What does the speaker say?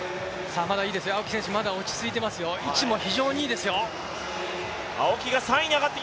まだいいですよ、青木選手まだ落ち着いてますよ位置も非常にいいですよ。